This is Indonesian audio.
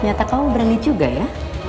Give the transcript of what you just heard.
ternyata kamu berani juga ya